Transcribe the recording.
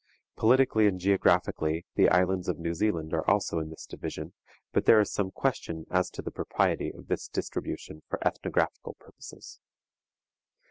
Politically and geographically the islands of New Zealand are also in this division, but there is some question as to the propriety of this distribution for ethnographical purposes.